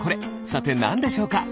さてなんでしょうか？